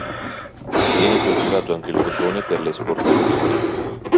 Viene coltivato anche il cotone per le esportazioni.